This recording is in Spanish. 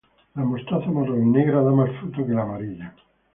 La mostaza marrón y negra da más fruto que la amarilla.